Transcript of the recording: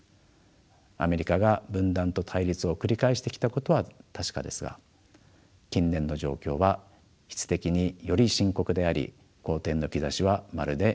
アメリカが分断と対立を繰り返してきたことは確かですが近年の状況は質的により深刻であり好転の兆しはまるで見えません。